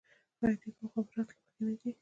آیا دوی په مخابراتو کې مخکې نه دي؟